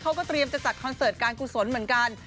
เขาก็เตรียมจะจัดคอนเสิร์ตการกุศลเหมือนกัน